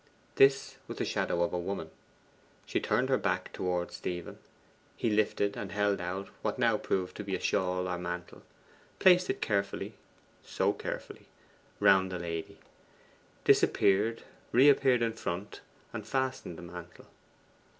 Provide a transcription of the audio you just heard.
This was the shadow of a woman. She turned her back towards Stephen: he lifted and held out what now proved to be a shawl or mantle placed it carefully so carefully round the lady; disappeared; reappeared in her front fastened the mantle.